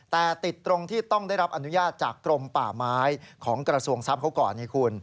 แต่ติดตรงที่ต้องได้รับอนุญาตจากกรมป่าไม้ของกระทรวงทรัพย์เขาก่อนไงคุณ